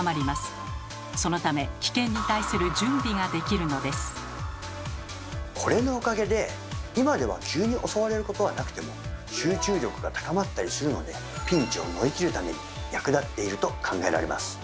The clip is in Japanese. そのためこれのおかげで今では急に襲われることはなくても集中力が高まったりするのでピンチを乗り切るために役立っていると考えられます。